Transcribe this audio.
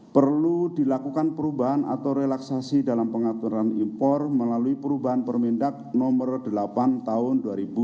perlu dilakukan perubahan atau relaksasi dalam pengaturan impor melalui perubahan permendak nomor delapan tahun dua ribu dua puluh